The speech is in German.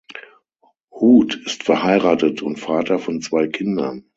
Huth ist verheiratet und Vater von zwei Kindern.